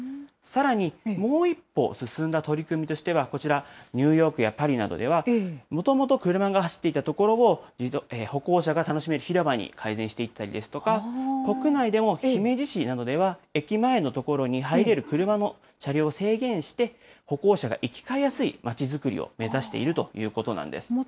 さらに、もう一歩進んだ取り組みとしてはこちら、ニューヨークやパリなどでは、もともと車が走っていた所を、歩行者が楽しめる広場に改善していったりですとか、国内でも姫路市などでは、駅前の所に入れる車の車両を制限して、歩行者が行き交いやすい町作りを目指しているということなんです。